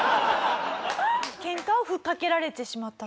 ケンカを吹っかけられてしまったと。